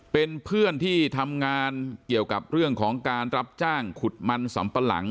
เป็นเพื่อนที่ทำงานเกี่ยวกับเรื่องของการรับจ้างขุดมันสำปะหลัง